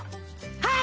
はい！